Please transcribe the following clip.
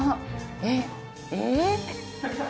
えっえっ！？